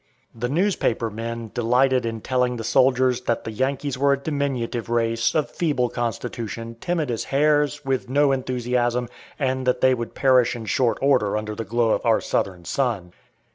The newspaper men delighted in telling the soldiers that the Yankees were a diminutive race, of feeble constitution, timid as hares, with no enthusiasm, and that they would perish in short order under the glow of our southern sun.